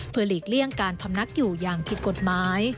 เพื่อหลีกเลี่ยงการพำนักอยู่อย่างผิดกฎหมาย